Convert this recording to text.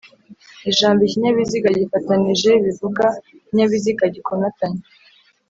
Ijambo "ikinyabiziga gifatanije" bivuga ikinyabiziga gikomatanye